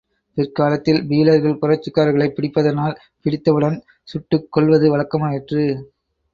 பிற்காலத்தில் பீலர்கள் புரட்சிக்காரர்களைப் பிடிப்பதானால், பிடித்தவுடன் சுட்டுக் கொல்வது வழக்கமாயிற்று.